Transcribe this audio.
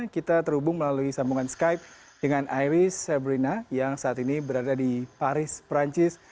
kita terhubung melalui sambungan skype dengan iris sebrina yang saat ini berada di paris perancis